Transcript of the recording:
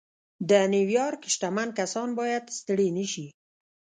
د نيويارک شتمن کسان بايد ستړي نه شي.